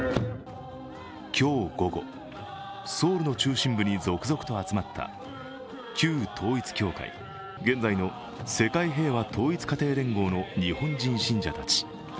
今日午後、ソウルの中心部に続々と集まった、旧統一教会、現在の世界平和統一家庭連合の日本人信者たち。